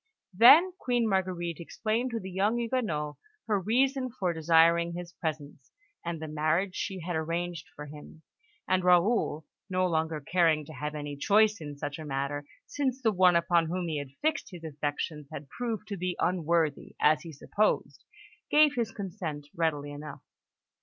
Then Queen Marguerite explained to the young Huguenot her reason for desiring his presence, and the marriage she had arranged for him; and Raoul, no longer caring to have any choice in such a matter, since the one upon whom he had fixed his affections had proved to be unworthy, as he supposed, gave his consent readily enough.